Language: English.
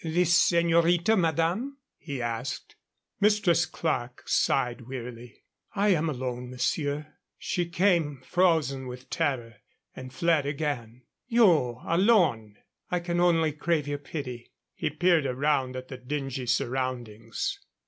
"The señorita, madame?" he asked. Mistress Clerke sighed wearily. "I am alone, monsieur. She came frozen with terror and fled again " "You alone!" "I can only crave your pity." He peered around at the dingy surroundings.